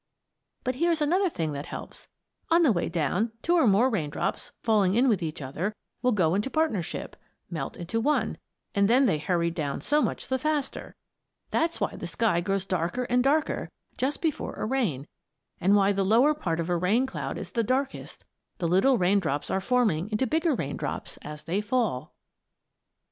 But here's another thing that helps. On the way down two or more raindrops, falling in with each other, will go into partnership melt into one and then they hurry down so much the faster. That's why the sky grows darker and darker just before a rain, and why the lower part of a rain cloud is the darkest: the little raindrops are forming into bigger raindrops as they fall.